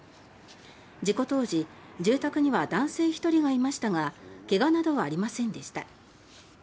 事故当時、住宅には男性１人がいましたが怪我などはありませんでした。